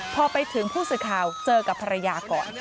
พอไปถึงผู้สื่อข่าวเจอกับภรรยาก่อน